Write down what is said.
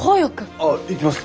ああ行きます。